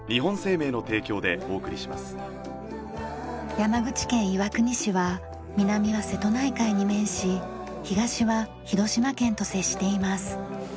山口県岩国市は南は瀬戸内海に面し東は広島県と接しています。